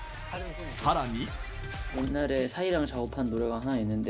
さらに。